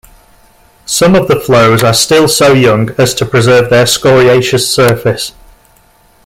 Some of the flows are still so young as to preserve their scoriaceous surface.